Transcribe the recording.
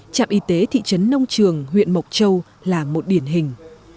trạm y tế thị trấn nông trường huyện mộc châu là một điển hình